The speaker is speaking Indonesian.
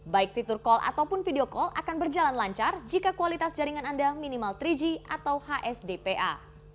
baik fitur call ataupun video call akan berjalan lancar jika kualitas jaringan anda minimal tiga g atau hsdpa